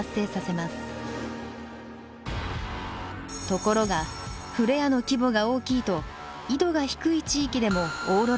ところがフレアの規模が大きいと緯度が低い地域でもオーロラが現れます。